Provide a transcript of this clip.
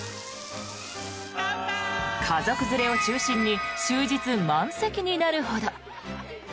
家族連れを中心に終日満席になるほど。